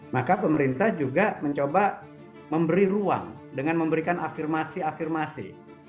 maka pemerintah juga mencoba memberi ruang dengan memberikan afirmasi afirmasi